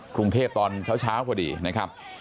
กรุงเทพตอนเช้าพอดีนะครับ